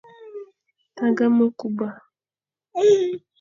Tagha mekuba.